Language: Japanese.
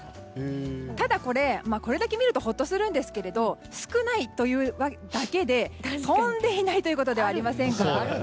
ただこれだけを見るとホッとするんですが少ないというだけで飛んでいないということではありませんから。